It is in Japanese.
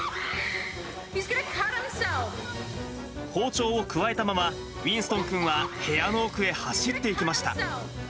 包丁をくわえたまま、ウィンストンくんは部屋の奥へ走っていきました。